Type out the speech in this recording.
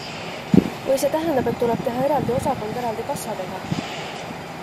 Või see tähendab, et tuleb teha eraldi osakond eraldi kassadega?